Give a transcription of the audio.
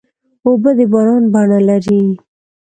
اوبه د باران بڼه لري.